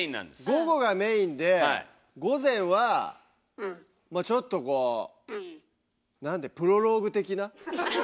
午後がメインで午前はまあちょっとこうプロローグ！